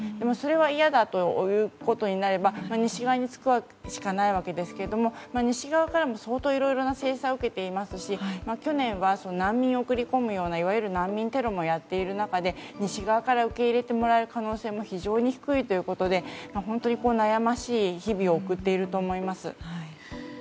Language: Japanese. それは嫌だということになれば西側につくしかないわけですけど西側からも相当いろいろな制裁を受けていますし去年は難民を送り込むようないわゆる難民テロをやっている中で西側から受け入れてもらえる可能性も非常に低いということで本当に悩ましい日々を送っていると思います。